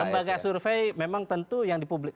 lembaga survei memang tentu yang di publik